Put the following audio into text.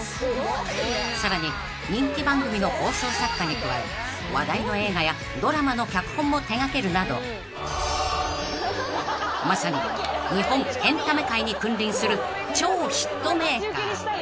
［さらに人気番組の放送作家に加え話題の映画やドラマの脚本も手掛けるなどまさに日本エンタメ界に君臨する超ヒットメーカー］